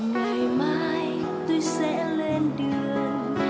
ngày mai tôi sẽ lên đường